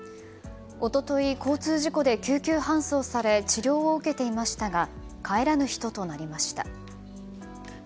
一昨日、交通事故で救急搬送され治療を受けていましたが帰らぬ人となりました。